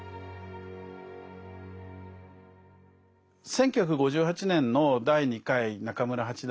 １９５８年の第２回中村八大